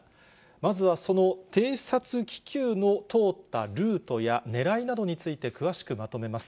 まずはその偵察気球の通ったルートやねらいなどについて詳しくまとめます。